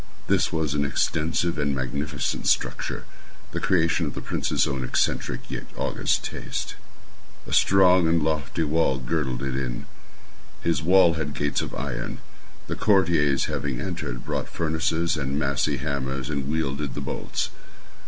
This was an extensive and magnificent structure, the creation of the prince's own eccentric yet august taste. A strong and lofty wall girdled it in. This wall had gates of iron. The courtiers, having entered, brought furnaces and massy hammers and welded the bolts.